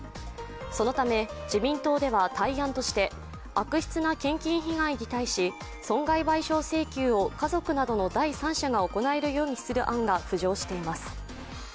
そのため、自民党では対案として悪質な献金被害に対し損害賠償請求を家族などの第三者が行えるようにする案が浮上しています。